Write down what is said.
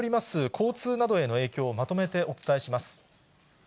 交通などへの影響を、まとめてお伝えします。